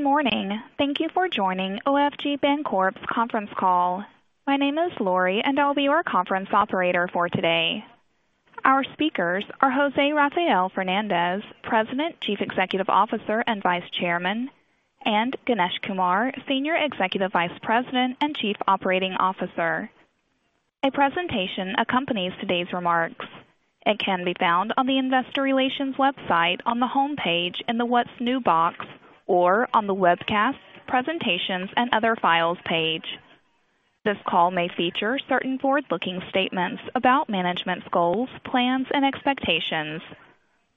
Good morning. Thank you for joining OFG Bancorp's Conference Call. My name is Lori, and I'll be your conference operator for today. Our speakers are José Rafael Fernández, President, Chief Executive Officer, and Vice Chairman, and Ganesh Kumar, Senior Executive Vice President and Chief Operating Officer. A presentation accompanies today's remarks. It can be found on the investor relations website on the homepage in the What's New box, or on the Webcasts, Presentations, and Other Files page. This call may feature certain forward-looking statements about management's goals, plans, and expectations.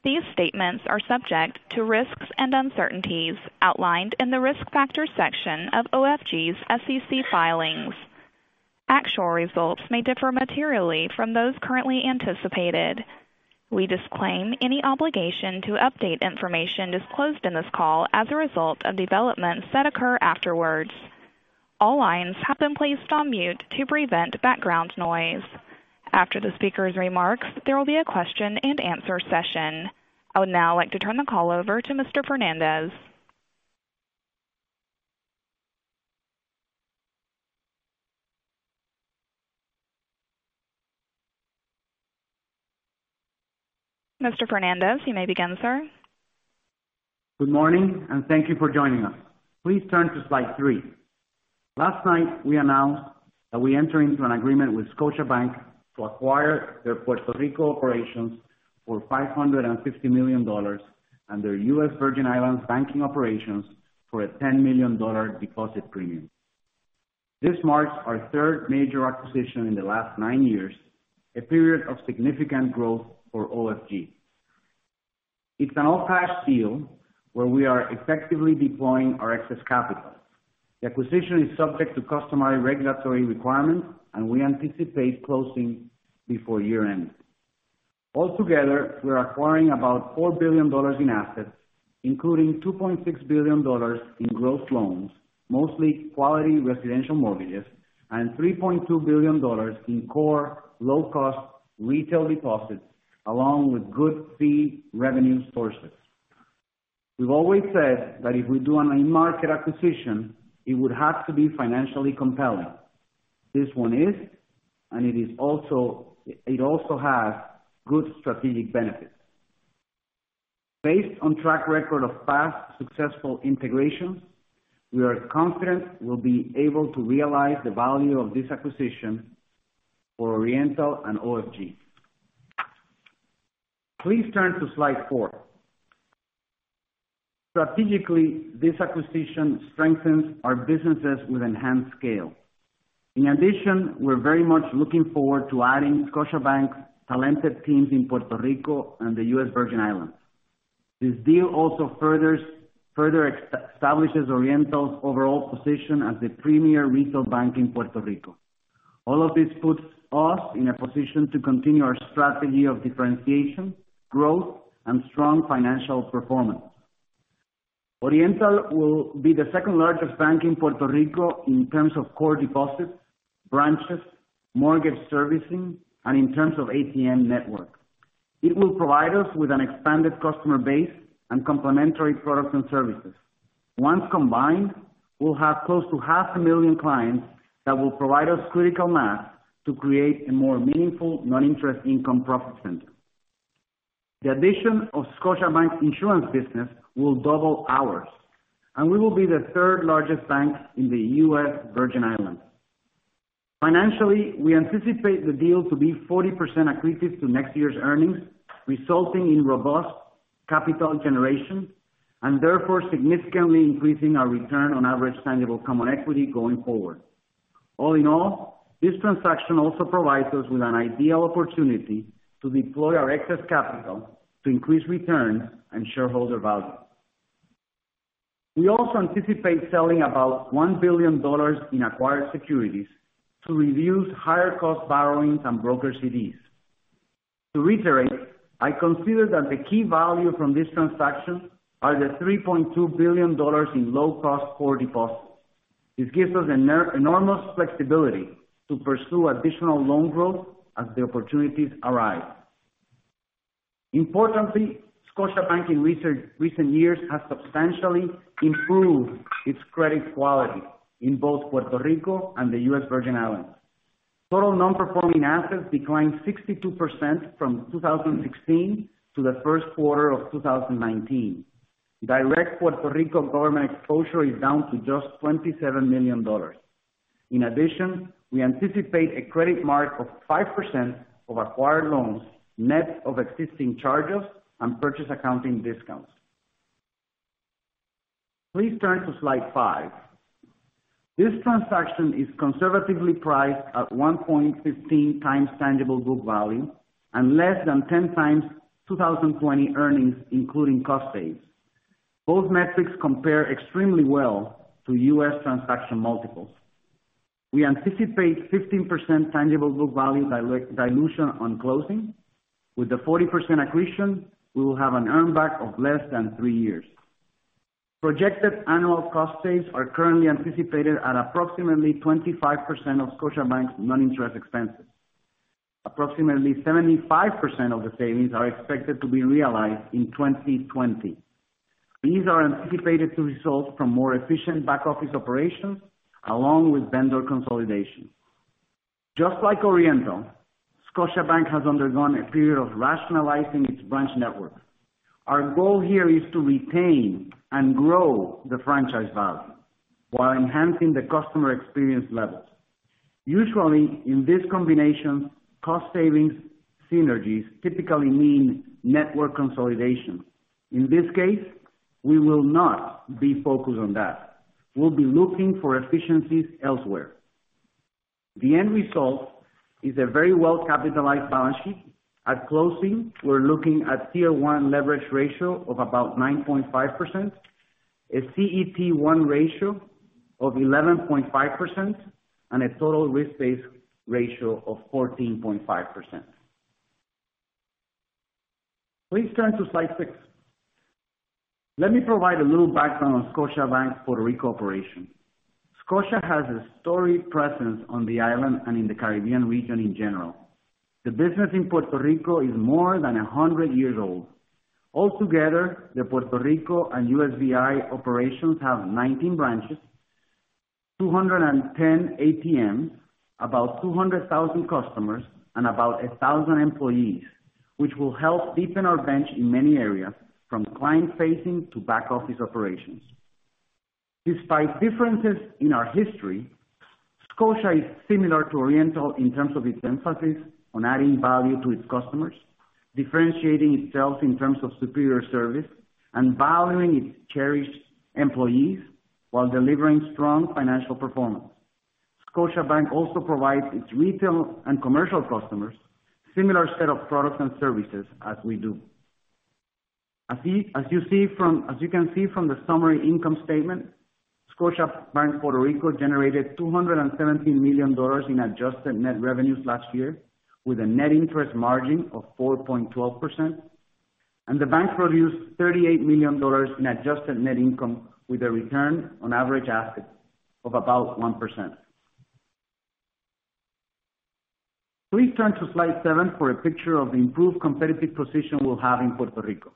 These statements are subject to risks and uncertainties outlined in the Risk Factors section of OFG's SEC filings. Actual results may differ materially from those currently anticipated. We disclaim any obligation to update information disclosed in this call as a result of developments that occur afterwards. All lines have been placed on mute to prevent background noise. After the speaker's remarks, there will be a question and answer session. I would now like to turn the call over to Mr. Fernández. Mr. Fernández, you may begin, sir. Good morning, and thank you for joining us. Please turn to slide three. Last night, we announced that we entered into an agreement with Scotiabank to acquire their Puerto Rico operations for $550 million and their U.S. Virgin Islands banking operations for a $10 million deposit premium. This marks our third major acquisition in the last nine years, a period of significant growth for OFG. It's an all-cash deal where we are effectively deploying our excess capital. The acquisition is subject to customary regulatory requirements, and we anticipate closing before year-end. All together, we're acquiring about $4 billion in assets, including $2.6 billion in gross loans, mostly quality residential mortgages, and $3.2 billion in core low-cost retail deposits, along with good fee revenue sources. We've always said that if we do an in-market acquisition, it would have to be financially compelling. This one is, and it also has good strategic benefits. Based on track record of past successful integrations, we are confident we'll be able to realize the value of this acquisition for Oriental and OFG. Please turn to slide four. Strategically, this acquisition strengthens our businesses with enhanced scale. In addition, we're very much looking forward to adding Scotiabank's talented teams in Puerto Rico and the U.S. Virgin Islands. This deal also further establishes Oriental's overall position as the premier retail bank in Puerto Rico. All of this puts us in a position to continue our strategy of differentiation, growth, and strong financial performance. Oriental will be the second-largest bank in Puerto Rico in terms of core deposits, branches, mortgage servicing, and in terms of ATM network. It will provide us with an expanded customer base and complementary products and services. Once combined, we'll have close to half a million clients that will provide us critical mass to create a more meaningful non-interest income profit center. The addition of Scotiabank's insurance business will double ours, and we will be the third-largest bank in the U.S. Virgin Islands. Financially, we anticipate the deal to be 40% accretive to next year's earnings, resulting in robust capital generation and therefore significantly increasing our return on average tangible common equity going forward. All in all, this transaction also provides us with an ideal opportunity to deploy our excess capital to increase returns and shareholder value. We also anticipate selling about $1 billion in acquired securities to reduce higher-cost borrowings and brokered CDs. To reiterate, I consider that the key value from this transaction are the $3.2 billion in low-cost core deposits. This gives us enormous flexibility to pursue additional loan growth as the opportunities arise. Importantly, Scotiabank in recent years has substantially improved its credit quality in both Puerto Rico and the U.S. Virgin Islands. Total non-performing assets declined 62% from 2016 to the first quarter of 2019. Direct Puerto Rico government exposure is down to just $27 million. In addition, we anticipate a credit mark of 5% of acquired loans, net of existing charges and purchase accounting discounts. Please turn to slide five. This transaction is conservatively priced at 1.15 times tangible book value and less than 10 times 2020 earnings, including cost saves. Both metrics compare extremely well to U.S. transaction multiples. We anticipate 15% tangible book value dilution on closing. With the 40% accretion, we will have an earn back of less than three years. Projected annual cost saves are currently anticipated at approximately 25% of Scotiabank's non-interest expenses. Approximately 75% of the savings are expected to be realized in 2020. These are anticipated to result from more efficient back office operations along with vendor consolidation. Just like Oriental, Scotiabank has undergone a period of rationalizing its branch network. Our goal here is to retain and grow the franchise value while enhancing the customer experience levels. Usually, in this combination, cost savings synergies typically mean network consolidation. In this case, we will not be focused on that. We'll be looking for efficiencies elsewhere. The end result is a very well-capitalized balance sheet. At closing, we're looking at Tier 1 leverage ratio of about 9.5%, a CET1 ratio of 11.5%, and a total risk-based ratio of 14.5%. Please turn to slide six. Let me provide a little background on Scotiabank's Puerto Rico operation. Scotia has a storied presence on the island and in the Caribbean region in general. The business in Puerto Rico is more than 100 years old. Altogether, the Puerto Rico and U.S.V.I. operations have 19 branches, 210 ATMs, about 200,000 customers, and about 1,000 employees, which will help deepen our bench in many areas, from client-facing to back-office operations. Despite differences in our history, Scotia is similar to Oriental in terms of its emphasis on adding value to its customers, differentiating itself in terms of superior service, and valuing its cherished employees while delivering strong financial performance. Scotiabank also provides its retail and commercial customers similar set of products and services as we do. As you can see from the summary income statement, Scotiabank Puerto Rico generated $217 million in adjusted net revenues last year with a net interest margin of 4.12%. The bank produced $38 million in adjusted net income with a return on average assets of about 1%. Please turn to slide seven for a picture of the improved competitive position we will have in Puerto Rico.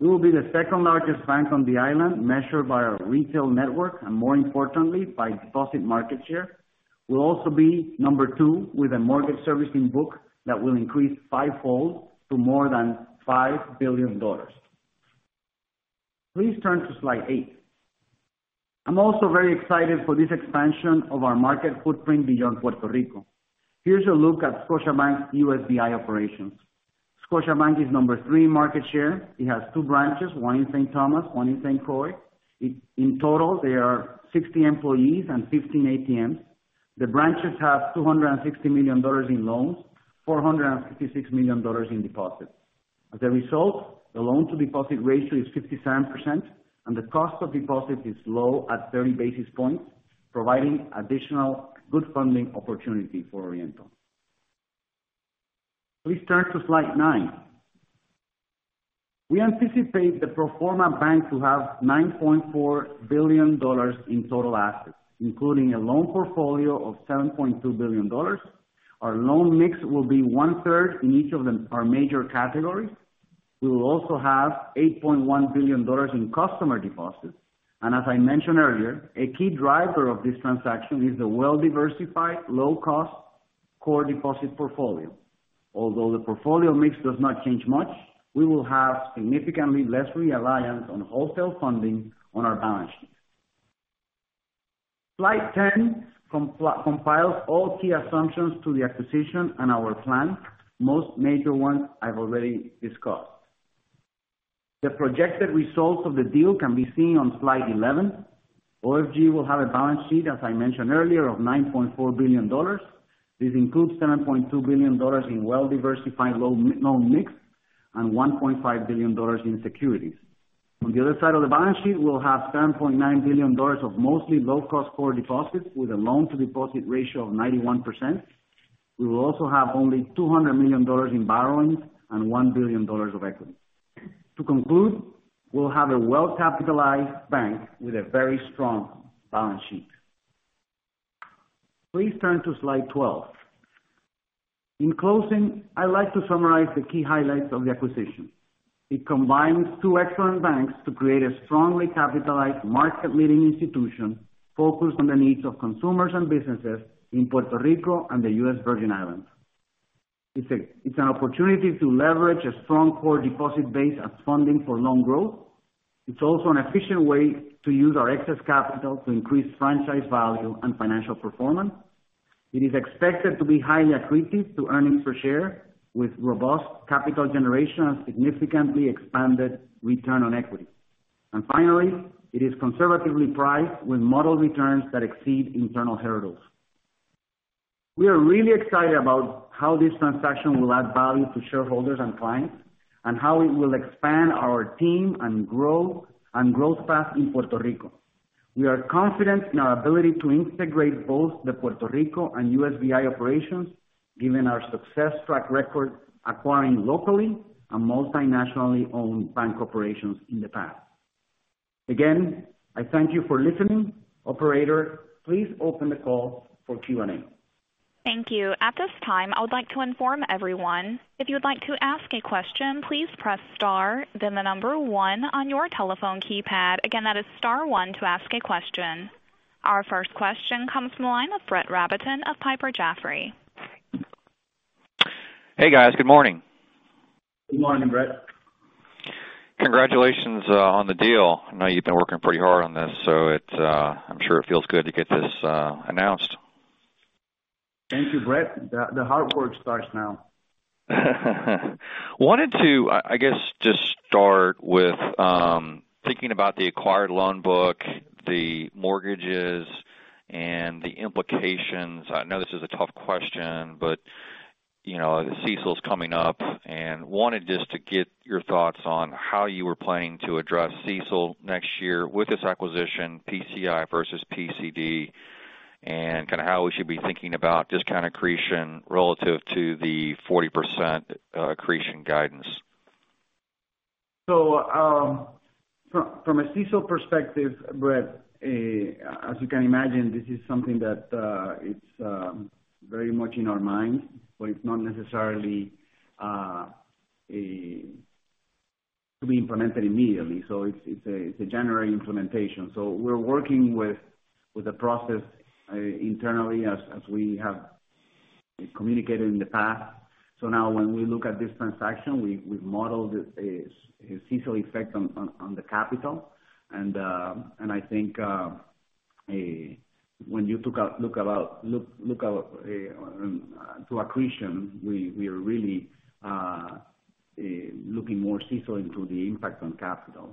We will be the second-largest bank on the island, measured by our retail network and more importantly, by deposit market share. We will also be number two with a mortgage servicing book that will increase fivefold to more than $5 billion. Please turn to slide eight. I am also very excited for this expansion of our market footprint beyond Puerto Rico. Here is a look at Scotiabank's U.S.V.I. operations. Scotiabank is number three in market share. It has two branches, one in St. Thomas, one in St. Croix. In total, there are 60 employees and 15 ATMs. The branches have $260 million in loans, $466 million in deposits. As a result, the loan-to-deposit ratio is 57%, and the cost of deposit is low at 30 basis points, providing additional good funding opportunity for Oriental. Please turn to slide nine. We anticipate the pro forma bank to have $9.4 billion in total assets, including a loan portfolio of $7.2 billion. Our loan mix will be one-third in each of our major categories. We will also have $8.1 billion in customer deposits. As I mentioned earlier, a key driver of this transaction is the well-diversified, low-cost core deposit portfolio. Although the portfolio mix does not change much, we will have significantly less reliance on wholesale funding on our balance sheet. Slide 10 compiles all key assumptions to the acquisition and our plan. Most major ones I have already discussed. The projected results of the deal can be seen on slide 11. OFG will have a balance sheet, as I mentioned earlier, of $9.4 billion. This includes $7.2 billion in well-diversified loan mix and $1.5 billion in securities. On the other side of the balance sheet, we will have $10.9 billion of mostly low-cost core deposits with a loan-to-deposit ratio of 91%. We will also have only $200 million in borrowings and $1 billion of equity. To conclude, we will have a well-capitalized bank with a very strong balance sheet. Please turn to slide 12. In closing, I would like to summarize the key highlights of the acquisition. It combines two excellent banks to create a strongly capitalized market-leading institution focused on the needs of consumers and businesses in Puerto Rico and the U.S. Virgin Islands. It is an opportunity to leverage a strong core deposit base as funding for loan growth. It is also an efficient way to use our excess capital to increase franchise value and financial performance. It is expected to be highly accretive to earnings per share with robust capital generation and significantly expanded return on equity. Finally, it is conservatively priced with model returns that exceed internal hurdles. We are really excited about how this transaction will add value to shareholders and clients, and how it will expand our team and growth path in Puerto Rico. We are confident in our ability to integrate both the Puerto Rico and U.S.V.I. operations given our success track record acquiring locally and multi-nationally owned bank operations in the past. Again, I thank you for listening. Operator, please open the call for Q&A. Thank you. At this time, I would like to inform everyone, if you would like to ask a question, please press star then the number one on your telephone keypad. Again, that is star one to ask a question. Our first question comes from the line of Brett Rabatin of Piper Jaffray. Hey, guys. Good morning. Good morning, Brett. Congratulations on the deal. I know you've been working pretty hard on this, I'm sure it feels good to get this announced. Thank you, Brett. The hard work starts now. Wanted to, I guess just start with thinking about the acquired loan book, the mortgages, and the implications. I know this is a tough question, but the CECL's coming up and wanted just to get your thoughts on how you were planning to address CECL next year with this acquisition, PCI versus PCD, and kind of how we should be thinking about discount accretion relative to the 40% accretion guidance. From a CECL perspective, Brett, as you can imagine, this is something that it's very much in our minds, but it's not necessarily to be implemented immediately. It's a January implementation. We're working with the process internally as we have communicated in the past. Now when we look at this transaction, we've modeled the CECL effect on the capital. I think when you look out to accretion, we are really looking more CECL into the impact on capital.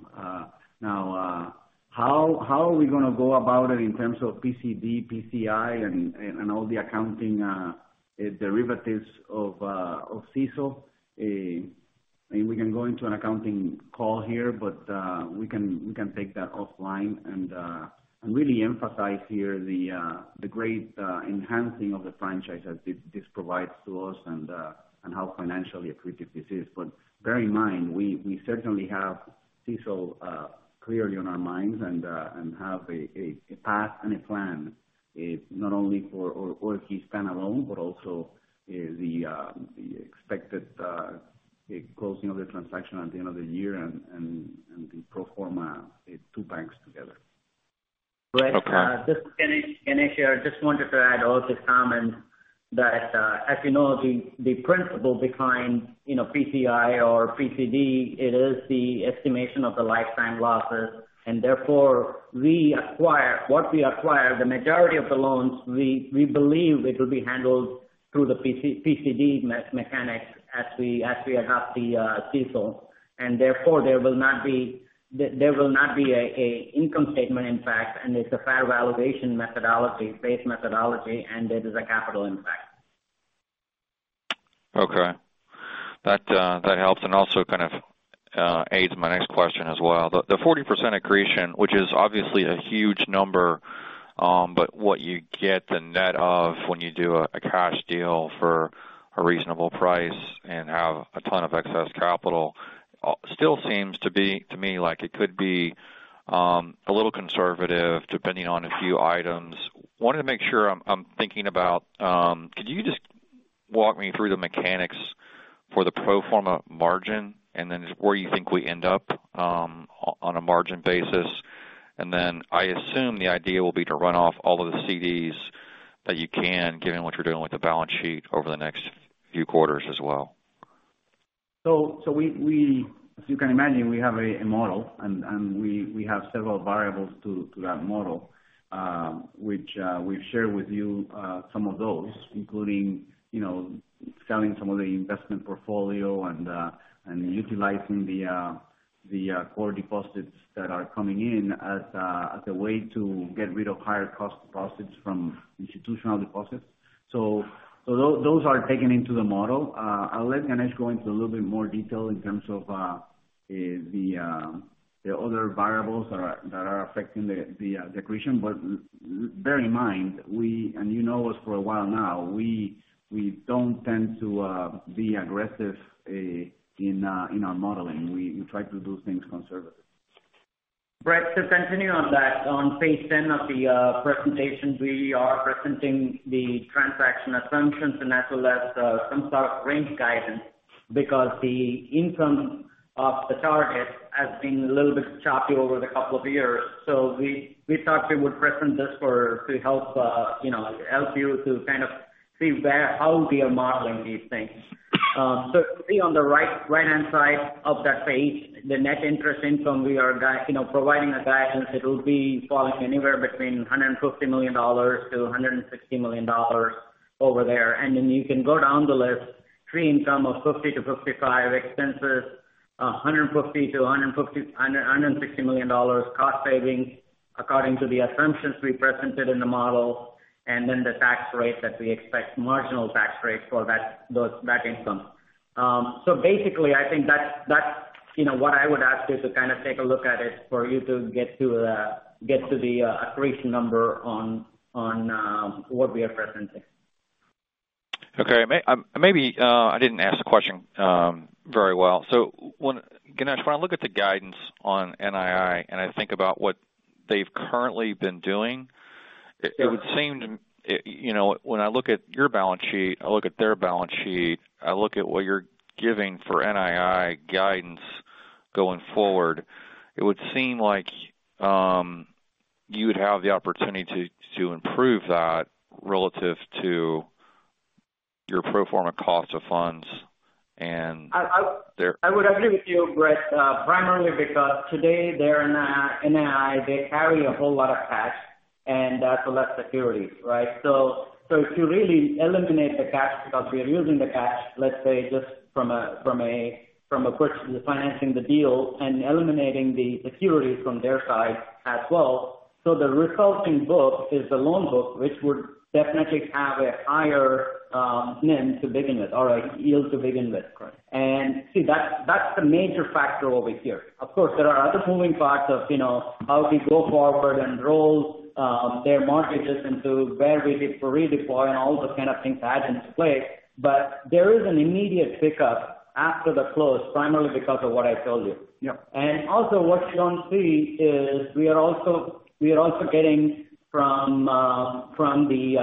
Now, how are we going to go about it in terms of PCD, PCI, and all the accounting derivatives of CECL? We can go into an accounting call here, but we can take that offline and really emphasize here the great enhancing of the franchise that this provides to us and how financially accretive this is. Bear in mind, we certainly have CECL clearly on our minds and have a path and a plan not only for OFG alone, but also the expected closing of the transaction at the end of the year and the pro forma two banks together. Okay. Brett, this is Ganesh here. I just wanted to add also comment that as you know, the principle behind PCI or PCD, it is the estimation of the lifetime losses. Therefore, what we acquire, the majority of the loans, we believe it will be handled through the PCD mechanics as we adopt the CECL. Therefore, there will not be an income statement impact, and it's a fair valuation methodology, base methodology, and it is a capital impact. Okay. That helps and also kind of aids my next question as well. The 40% accretion, which is obviously a huge number, but what you get the net of when you do a cash deal for a reasonable price and have a ton of excess capital still seems to me like it could be a little conservative depending on a few items. Wanted to make sure I'm thinking about, could you just walk me through the mechanics for the pro forma margin and then just where you think we end up on a margin basis? Then I assume the idea will be to run off all of the CDs that you can, given what you're doing with the balance sheet over the next few quarters as well. As you can imagine, we have a model, and we have several variables to that model, which we've shared with you some of those, including selling some of the investment portfolio and utilizing the core deposits that are coming in as a way to get rid of higher cost deposits from institutional deposits. Those are taken into the model. I'll let Ganesh go into a little bit more detail in terms of the other variables that are affecting the accretion. Bear in mind, and you know us for a while now, we don't tend to be aggressive in our modeling. We try to do things conservative. Brett, just continuing on that. On page 10 of the presentation, we are presenting the transaction assumptions and as well as some sort of range guidance because the income of the target has been a little bit choppy over the couple of years. We thought we would present this to help you to kind of see how we are modeling these things. You see on the right-hand side of that page, the net interest income we are providing a guidance, it will be falling anywhere between $150 million-$160 million over there. Then you can go down the list, pre-income of $50 milion-$55 million expenses, $150 million-$160 million cost savings according to the assumptions we presented in the model, and then the tax rate that we expect, marginal tax rate for that income. I think that's what I would ask you to kind of take a look at it for you to get to the accretion number on what we are presenting. Okay. Ganesh, when I look at the guidance on NII, and I think about what they've currently been doing, yeah, it would seem, when I look at your balance sheet, I look at their balance sheet, I look at what you're giving for NII guidance going forward, it would seem like you would have the opportunity to improve that relative to your pro forma cost of funds and their. I would agree with you, Brett Rabatin, primarily because today their NII, they carry a whole lot of cash and a lot of securities, right? If you really eliminate the cash because we are using the cash, let's say, just from a question of financing the deal and eliminating the securities from their side as well. The resulting book is the loan book, which would definitely have a higher NIM to begin with or a yield to begin with. Correct. See, that's the major factor over here. Of course, there are other moving parts of how we go forward and roll their mortgages into where we redeploy and all those kind of things that add into play. But there is an immediate pickup after the close, primarily because of what I told you. Yep. Also what you don't see is we are also getting from the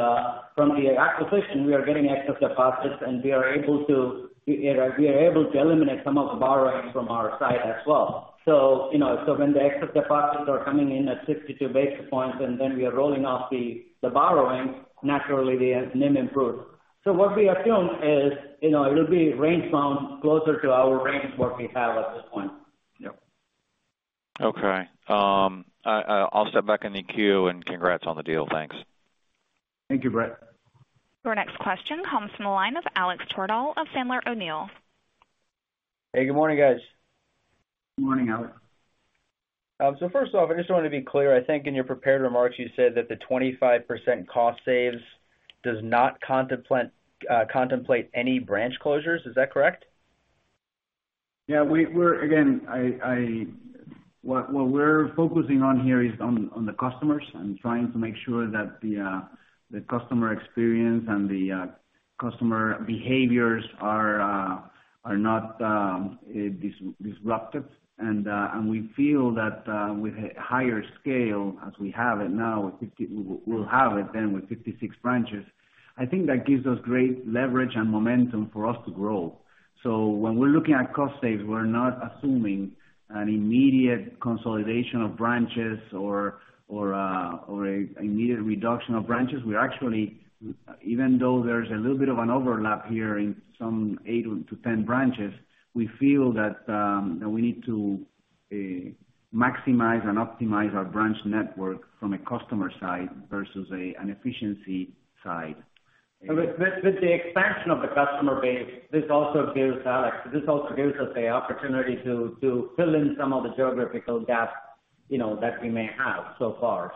acquisition, we are getting excess deposits, and we are able to eliminate some of the borrowing from our side as well. When the excess deposits are coming in at 62 basis points, and then we are rolling off the borrowing, naturally the NIM improves. What we assume is it'll be range bound closer to our range what we have at this point. Yep. Okay. I'll step back in the queue and congrats on the deal. Thanks. Thank you, Brett. Your next question comes from the line of Alex Twerdahl of Sandler O'Neill. Hey, good morning, guys. Good morning, Alex. First off, I just want to be clear. I think in your prepared remarks, you said that the 25% cost saves does not contemplate any branch closures. Is that correct? Yeah. What we're focusing on here is on the customers and trying to make sure that the customer experience and the customer behaviors are not disrupted. We feel that with higher scale as we have it now, we'll have it then with 56 branches. I think that gives us great leverage and momentum for us to grow. When we're looking at cost saves, we're not assuming an immediate consolidation of branches or an immediate reduction of branches. We're actually, even though there's a little bit of an overlap here in some 8-10 branches, we feel that we need to maximize and optimize our branch network from a customer side versus an efficiency side. With the expansion of the customer base, this also gives us the opportunity to fill in some of the geographical gaps that we may have so far.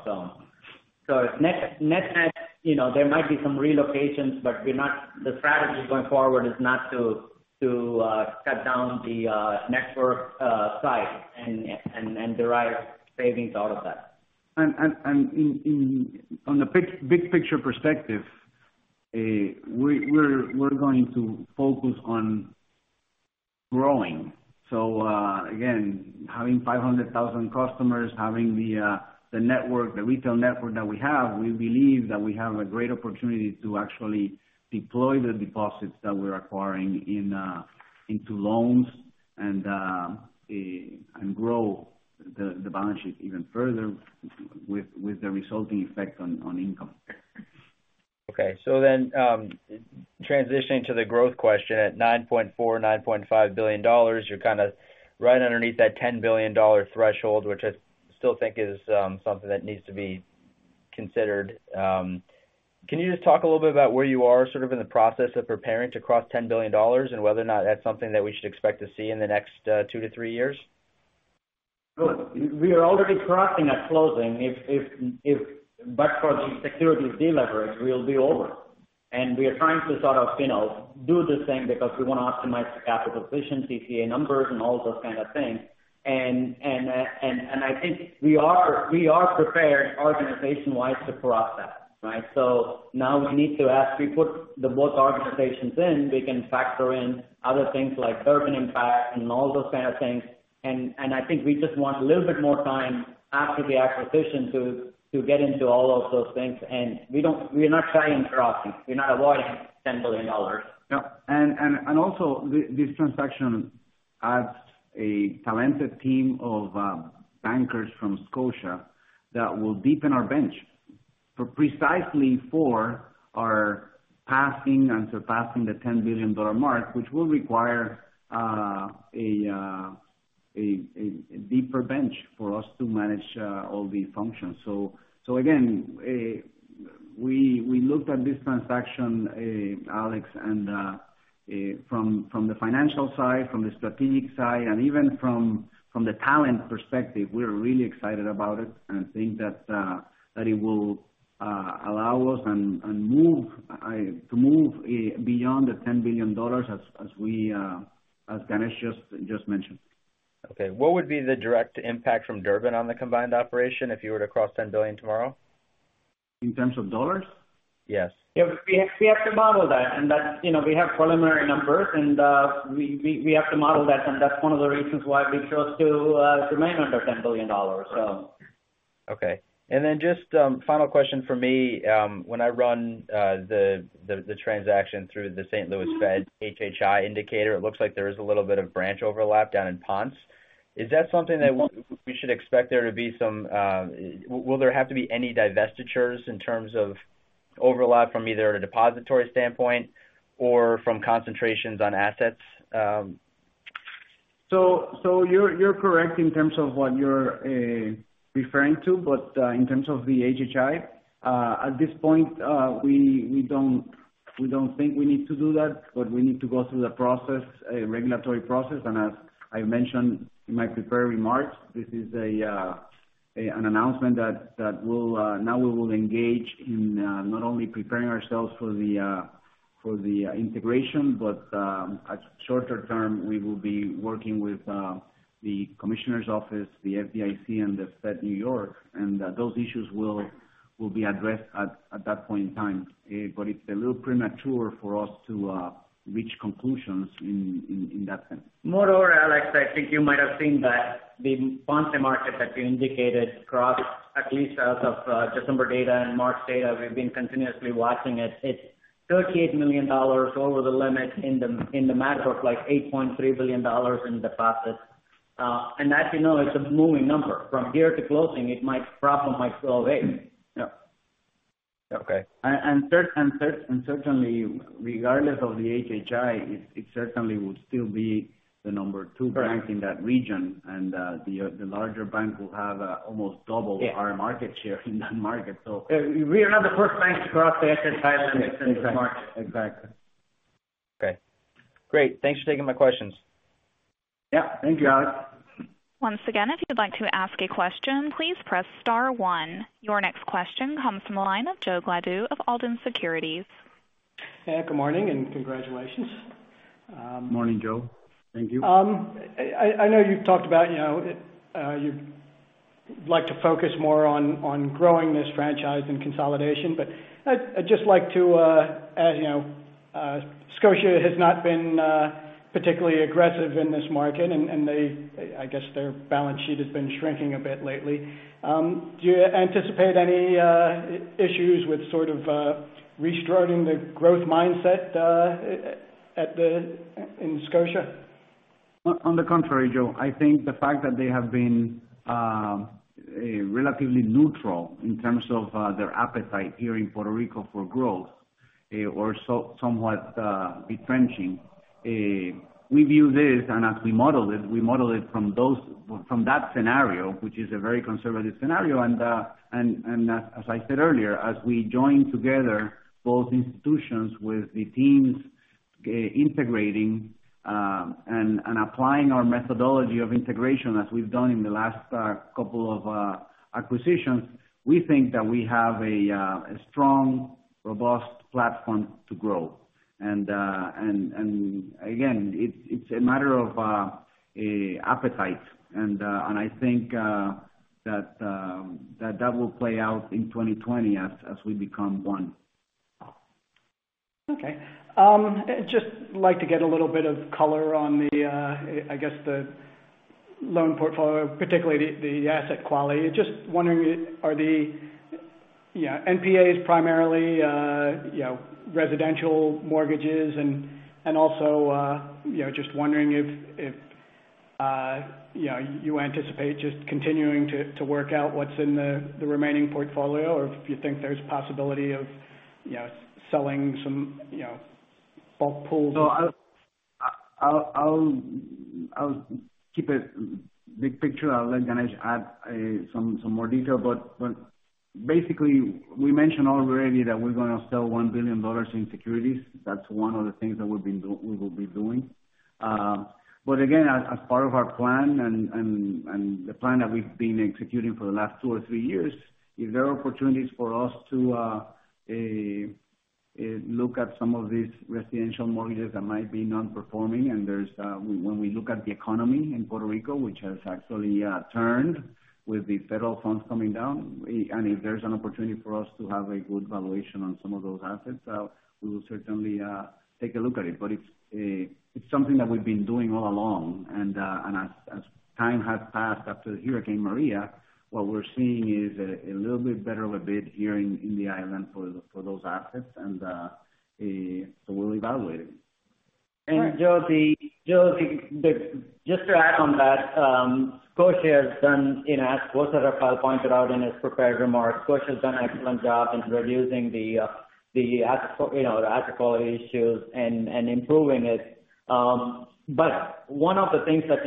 Net-net, there might be some relocations, the strategy going forward is not to cut down the network size and derive savings out of that. On the big picture perspective, we're going to focus on growing. Again, having 500,000 customers, having the retail network that we have, we believe that we have a great opportunity to actually deploy the deposits that we're acquiring into loans and grow the balance sheet even further with the resulting effect on income. Okay. Transitioning to the growth question at $9.4 billion-$9.5 billion, you're kind of right underneath that $10 billion threshold, which I still think is something that needs to be considered. Can you just talk a little bit about where you are sort of in the process of preparing to cross $10 billion and whether or not that's something that we should expect to see in the next two to three years? Sure. We are already crossing at closing. For the securities deleverage, we'll be over. We are trying to sort of do the thing because we want to optimize the capital efficiency, CA numbers, and all those kind of things. I think we are prepared organization-wise to cross that, right? Now we need to, as we put both organizations in, we can factor in other things like Durbin impact and all those kind of things. I think we just want a little bit more time after the acquisition to get into all of those things. We're not shying from crossing. We're not avoiding $10 billion. No. Also, this transaction adds a talented team of bankers from Scotia that will deepen our bench precisely for our passing and surpassing the $10 billion mark, which will require a deeper bench for us to manage all the functions. Again, we looked at this transaction, Alex, from the financial side, from the strategic side, even from the talent perspective, we're really excited about it and think that it will allow us to move beyond the $10 billion as Ganesh just mentioned. Okay. What would be the direct impact from Durbin on the combined operation if you were to cross $10 billion tomorrow? In terms of dollars? Yes. We have to model that. We have preliminary numbers, and we have to model that, and that's one of the reasons why we chose to remain under $10 billion. Okay. Just final question from me. When I run the transaction through the St. Louis Fed HHI indicator, it looks like there is a little bit of branch overlap down in Ponce. Is that something that we should expect there to be Will there have to be any divestitures in terms of overlap from either a depository standpoint or from concentrations on assets? You're correct in terms of what you're referring to. But in terms of the HHI, at this point, we don't think we need to do that. But we need to go through the process, a regulatory process, and as I mentioned in my prepared remarks, this is an announcement that now we will engage in not only preparing ourselves for the integration, but at shorter term, we will be working with the commissioner's office, the FDIC, and the New York Fed, and those issues will be addressed at that point in time. But it's a little premature for us to reach conclusions in that sense. Moreover, Alex, I think you might have seen that the Ponce market that you indicated crossed at least as of December data and March data. We've been continuously watching it. It's $38 million over the limit in the matter of like $8.3 billion in deposits. And as you know, it's a moving number. From here to closing, it might drop or might go away. Yeah. Okay. Certainly, regardless of the HHI, it certainly would still be the number two bank in that region. The larger bank will have almost double our market share in that market. We are not the first bank to cross the HHI limit in this market. Exactly. Okay. Great. Thanks for taking my questions. Yeah. Thank you, Alex. Once again, if you'd like to ask a question, please press star one. Your next question comes from the line of Joe Gladue of Alden Securities. Hey, good morning, and congratulations. Morning, Joe. Thank you. I know you've talked about you like to focus more on growing this franchise than consolidation. I'd just like to add, Scotia has not been particularly aggressive in this market, and I guess their balance sheet has been shrinking a bit lately. Do you anticipate any issues with sort of restoring the growth mindset in Scotia? On the contrary, Joe. I think the fact that they have been relatively neutral in terms of their appetite here in Puerto Rico for growth or somewhat retrenching. We view this and as we model it, we model it from that scenario, which is a very conservative scenario. As I said earlier, as we join together both institutions with the teams integrating and applying our methodology of integration as we've done in the last couple of acquisitions, we think that we have a strong, robust platform to grow. Again, it's a matter of appetite. I think that will play out in 2020 as we become one. Okay. I'd just like to get a little bit of color on the loan portfolio, particularly the asset quality. Just wondering, are the NPAs primarily residential mortgages? Also just wondering if you anticipate just continuing to work out what's in the remaining portfolio or if you think there's possibility of selling some bulk pools. I'll keep it big picture. I'll let Ganesh add some more detail. Basically, we mentioned already that we're going to sell $1 billion in securities. That's one of the things that we will be doing. Again, as part of our plan and the plan that we've been executing for the last two or three years, if there are opportunities for us to look at some of these residential mortgages that might be non-performing. When we look at the economy in Puerto Rico, which has actually turned with the federal funds coming down, if there's an opportunity for us to have a good valuation on some of those assets, we will certainly take a look at it. It's something that we've been doing all along. As time has passed after Hurricane Maria, what we're seeing is a little bit better of a bid here in the island for those assets. We'll evaluate it. Joe, just to add on that, as both Rafael pointed out in his prepared remarks, Scotia has done an excellent job in reducing the asset quality issues and improving it. One of the things that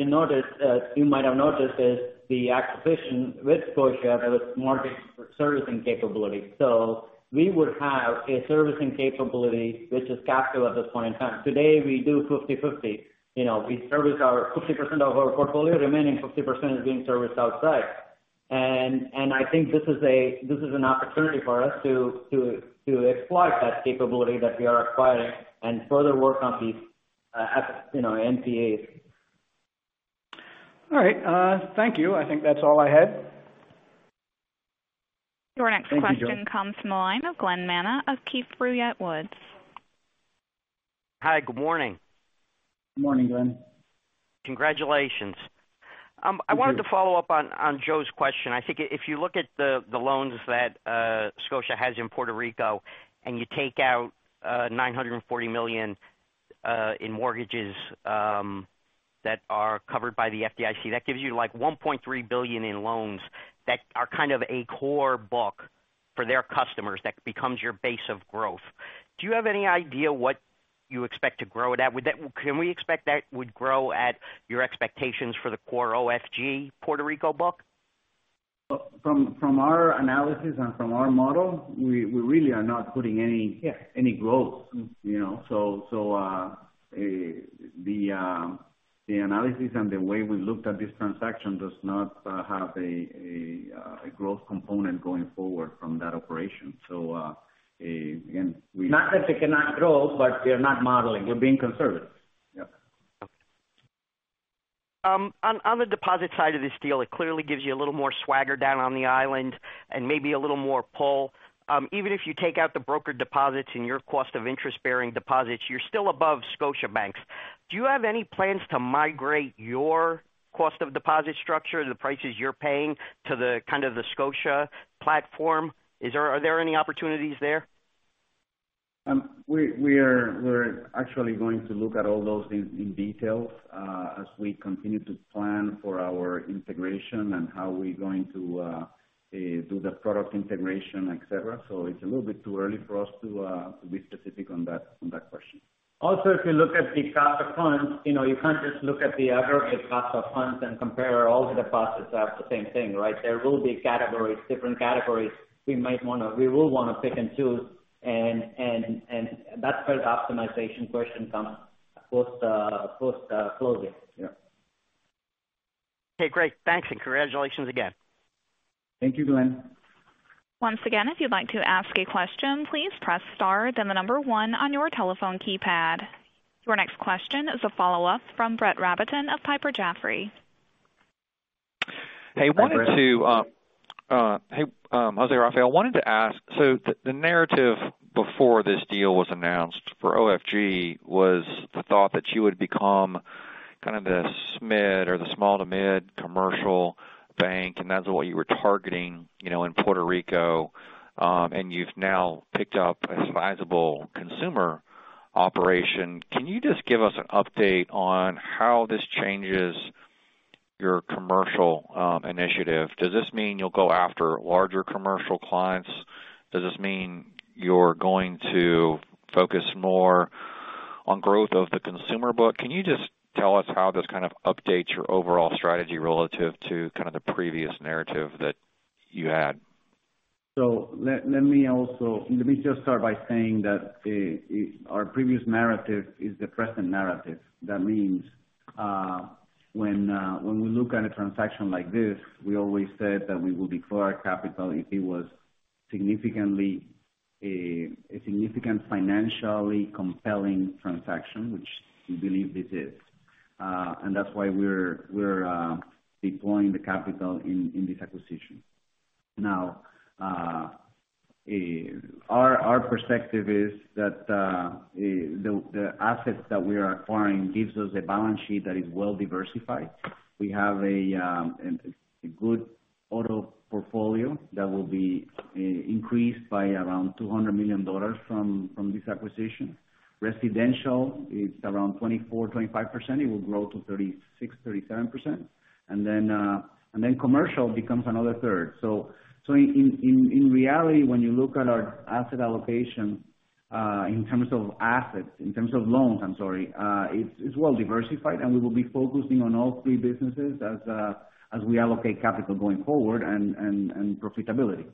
you might have noticed is the acquisition with Scotia, there was more servicing capability. We would have a servicing capability, which is capital at this point in time. Today, we do 50/50. We service 50% of our portfolio. Remaining 50% is being serviced outside. I think this is an opportunity for us to explore that capability that we are acquiring and further work on these NPAs. All right. Thank you. I think that's all I had. Your next question comes from the line of Glen Manna of Keefe, Bruyette & Woods. Hi. Good morning. Good morning, Glen. Congratulations. Thank you. I wanted to follow up on Joe's question. I think if you look at the loans that Scotia has in Puerto Rico and you take out $940 million in mortgages that are covered by the FDIC, that gives you like $1.3 billion in loans that are kind of a core book for their customers that becomes your base of growth. Do you have any idea what you expect to grow that? Can we expect that would grow at your expectations for the core OFG Puerto Rico book? From our analysis and from our model, we really are not putting any... Yeah Any growth. The analysis and the way we looked at this transaction does not have a growth component going forward from that operation. Again, not that they cannot grow, but we are not modeling. We're being conservative. Yeah. Okay. On the deposit side of this deal, it clearly gives you a little more swagger down on the island and maybe a little more pull. Even if you take out the brokered deposits and your cost of interest-bearing deposits, you're still above Scotiabank's. Do you have any plans to migrate your cost of deposit structure, the prices you're paying to the Scotia platform? Are there any opportunities there? We're actually going to look at all those in detail as we continue to plan for our integration and how we're going to do the product integration, et cetera. It's a little bit too early for us to be specific on that question. If you look at the cost of funds, you can't just look at the aggregate cost of funds and compare all the costs as the same thing, right? There will be categories, different categories we will want to pick and choose, and that's where the optimization question comes post-closing. Yeah. Okay, great. Thanks, and congratulations again. Thank you, Glen. Once again, if you'd like to ask a question, please press star, then the number one on your telephone keypad. Your next question is a follow-up from Brett Rabatin of Piper Jaffray. Hi, Brett. Hey. José Rafael, I wanted to ask. The narrative before this deal was announced for OFG was the thought that you would become kind of the small to mid commercial bank, and that's what you were targeting in Puerto Rico. You've now picked up a sizable consumer operation. Can you just give us an update on how this changes your commercial initiative? Does this mean you'll go after larger commercial clients? Does this mean you're going to focus more on growth of the consumer book? Can you just tell us how this kind of updates your overall strategy relative to kind of the previous narrative that you had? Let me just start by saying that our previous narrative is the present narrative. That means when we look at a transaction like this, we always said that we will deploy our capital if it was a significant financially compelling transaction, which we believe this is. That's why we're deploying the capital in this acquisition. Our perspective is that the assets that we are acquiring gives us a balance sheet that is well-diversified. We have a good auto portfolio that will be increased by around $200 million from this acquisition. Residential is around 24%-25%. It will grow to 36%-37%. Commercial becomes another third. In reality, when you look at our asset allocation in terms of assets, in terms of loans, I'm sorry, it's well-diversified. We will be focusing on all three businesses as we allocate capital going forward and profitability.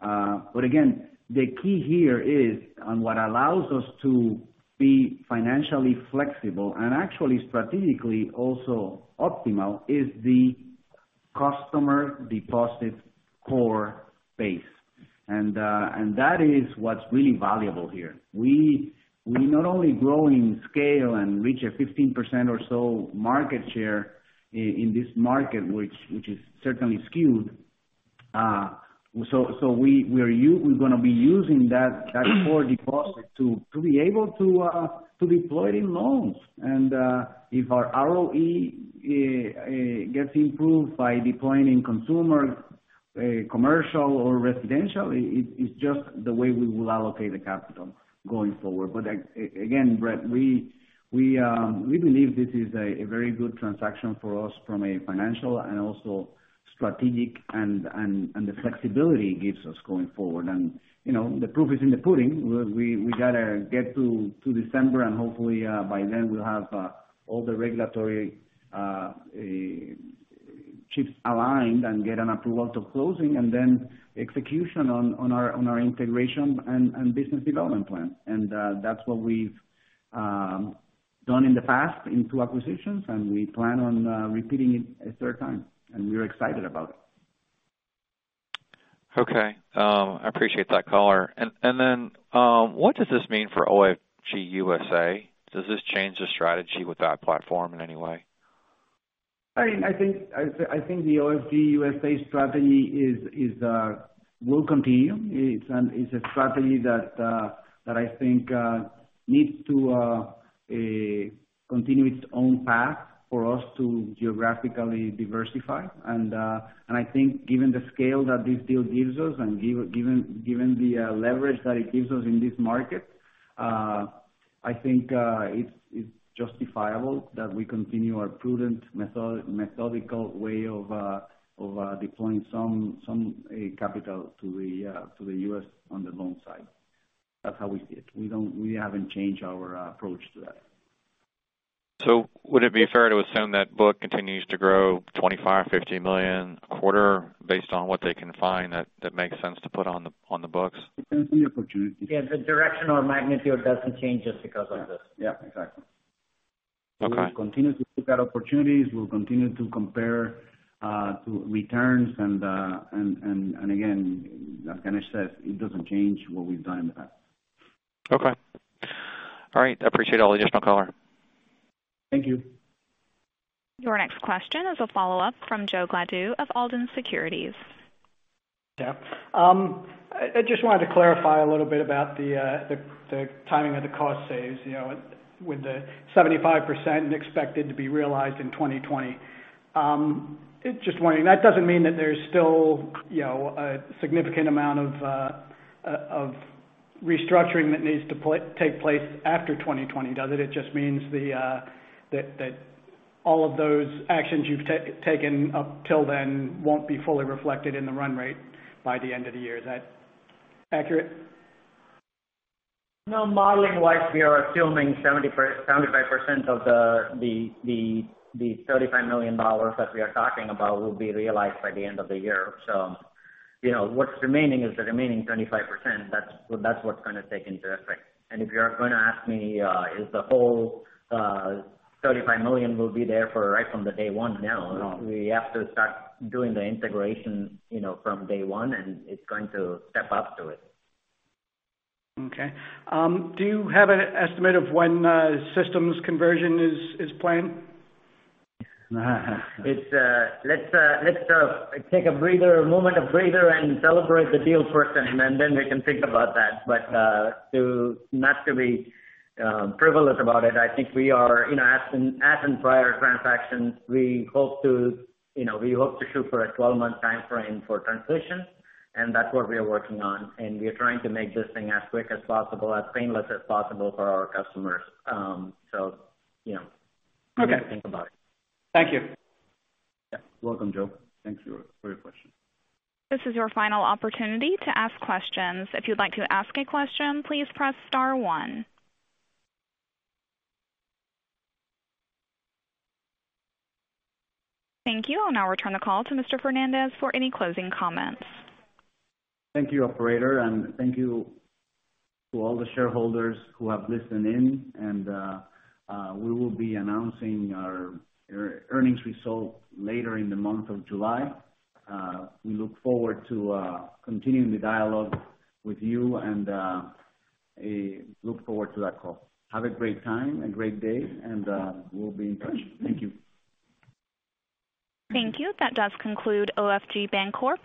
Again, the key here is on what allows us to be financially flexible and actually strategically also optimal is the customer deposit core base. That is what's really valuable here. We not only grow in scale and reach a 15% or so market share in this market, which is certainly skewed. We're going to be using that core deposit to be able to deploy it in loans. If our ROE gets improved by deploying in consumer, commercial or residential, it's just the way we will allocate the capital going forward. Again, Brett, we believe this is a very good transaction for us from a financial and also strategic and the flexibility it gives us going forward. The proof is in the pudding. We got to get to December, and hopefully by then we'll have all the regulatory ships aligned and get an approval to closing and then execution on our integration and business development plan. That's what we've done in the past in two acquisitions, we plan on repeating it a third time, and we are excited about it. Okay. I appreciate that, caller. What does this mean for OFG USA? Does this change the strategy with that platform in any way? I think the OFG USA strategy will continue. It's a strategy that I think needs to continue its own path for us to geographically diversify. I think given the scale that this deal gives us, and given the leverage that it gives us in this market, I think it's justifiable that we continue our prudent, methodical way of deploying some capital to the U.S. on the loan side. That's how we see it. We haven't changed our approach to that. Would it be fair to assume that book continues to grow $25 million-$50 million a quarter based on what they can find that makes sense to put on the books? Depends on the opportunity. Yeah. The direction or magnitude doesn't change just because of this. Yeah, exactly. Okay. We will continue to look at opportunities. We'll continue to compare to returns and, again, as Ganesh says, it doesn't change what we've done in the past. Okay. All right. I appreciate all the additional color. Thank you. Your next question is a follow-up from Joe Gladue of Alden Securities. Yeah. I just wanted to clarify a little bit about the timing of the cost saves. With the 75% expected to be realized in 2020. Just wondering, that doesn't mean that there's still a significant amount of restructuring that needs to take place after 2020, does it? It just means that all of those actions you've taken up till then won't be fully reflected in the run rate by the end of the year. Is that accurate? No. Modeling-wise, we are assuming 75% of the $35 million that we are talking about will be realized by the end of the year. What's remaining is the remaining 25%. That's what's going to take into effect. If you're going to ask me is the whole $35 million will be there right from the day one? No. We have to start doing the integration from day one, and it's going to step up to it. Okay. Do you have an estimate of when systems conversion is planned? Let's take a breather, a moment of breather, and celebrate the deal first, and then we can think about that. Not to be frivolous about it, I think we are, as in prior transactions, we hope to shoot for a 12-month timeframe for transition. That's what we are working on, and we are trying to make this thing as quick as possible, as painless as possible for our customers. You know. Okay. We'll think about it. Thank you. Yeah. Welcome, Joe. Thanks for your question. This is your final opportunity to ask questions. If you'd like to ask a question, please press star one. Thank you. I'll now return the call to Mr. Fernández for any closing comments. Thank you, operator, and thank you to all the shareholders who have listened in. We will be announcing our earnings result later in the month of July. We look forward to continuing the dialogue with you and look forward to that call. Have a great time, a great day, and we'll be in touch. Thank you. Thank you. That does conclude OFG Bancorp.